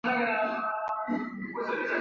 尼泊尔野桐为大戟科野桐属下的一个种。